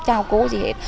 chào cô gì hết